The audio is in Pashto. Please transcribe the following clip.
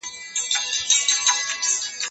هغه وويل چي موسيقي ګټوره ده!؟